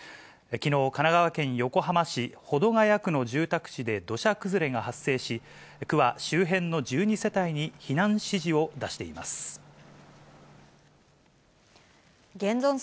きのう、神奈川県横浜市保土ケ谷区の住宅地で土砂崩れが発生し、区は周辺の１２世帯に避難指示を出しています。